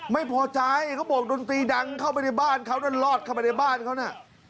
ไม่พอใจเขาบอกดนตรีดังเข้าไปในบ้านเขานั่นรอดเข้าไปในบ้านเขาน่ะ